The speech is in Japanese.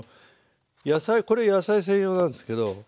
野菜これ野菜専用なんですけど。